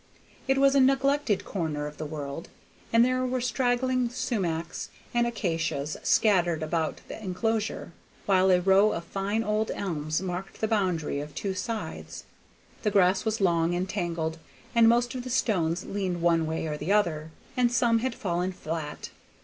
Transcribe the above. It was a neglected corner of the world, and there were straggling sumachs and acacias scattered about the enclosure, while a row of fine old elms marked the boundary of two sides. The grass was long and tangled, and most of the stones leaned one way or the other, and some had fallen flat.